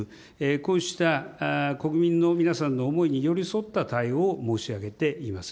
こうした国民の皆さんの思いに寄り添った対応を申し上げています。